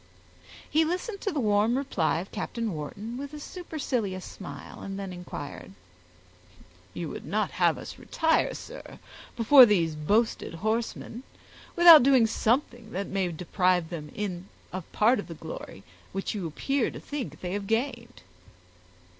He listened to the warm reply of Captain Wharton with a supercilious smile, and then inquired,— "You would not have us retire, sir, before these boasted horsemen, without doing something that may deprive them of part of the glory which you appear to think they have gained!"